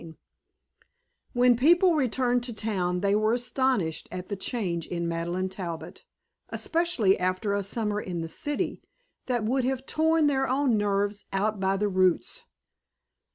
XIV When people returned to town they were astonished at the change in Madeleine Talbot, especially after a summer in the city that would have "torn their own nerves out by the roots."